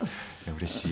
うれしい。